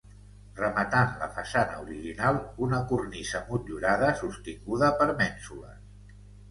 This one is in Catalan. Rematant la façana original, una cornisa motllurada sostinguda per mènsules.